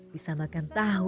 bisa makan tahu